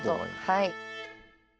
はい。